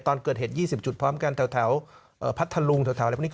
ตอนเกิดเหตุ๒๐จุดพร้อมกันแถวพัฒน์ทารุงอะไรเป็น